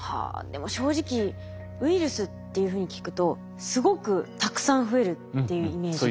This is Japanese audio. でも正直ウイルスっていうふうに聞くとすごくたくさん増えるっていうイメージが。